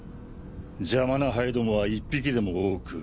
邪魔なハエ共は１匹でも多く。